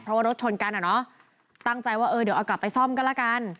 เพราะว่ารถชนกันอ่ะเนอะตั้งใจว่าเออเดี๋ยวเอากลับไปซ่อมก็แล้วกัน